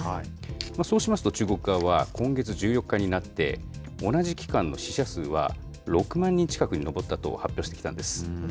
そうしますと、中国側は今月１４日になって、同じ期間の死者数は６万人近くに上ったと発表してきたんです。